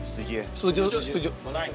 setuju ya setuju